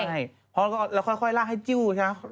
ใช่เพราะก็แล้วค่อยค่อยลากให้จิ้วใช่ปะ